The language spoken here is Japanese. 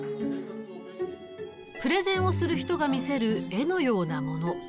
プレゼンをする人が見せる絵のようなもの。